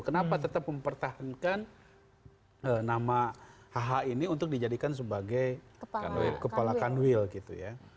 kenapa tetap mempertahankan nama hh ini untuk dijadikan sebagai kepala kanwil gitu ya